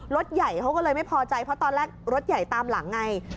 รถใหญ่เขาก็เลยไม่พอใจเพราะตอนแรกรถใหญ่ตามหลังไง